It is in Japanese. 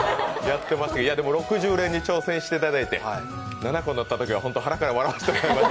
でも、６０連に挑戦していただいて７個載ったときはホント、腹から笑っちゃいました。